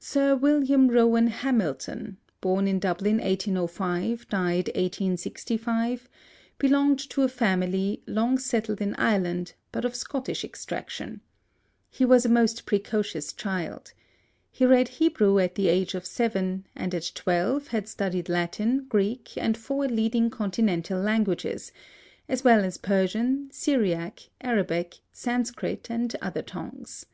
Sir William Rowan Hamilton (b. in Dublin 1805, d. 1865), belonged to a family, long settled in Ireland, but of Scottish extraction. He was a most precocious child. He read Hebrew at the age of seven, and at twelve, had studied Latin, Greek, and four leading continental languages, as well as Persian, Syriac, Arabic, Sanscrit, and other tongues.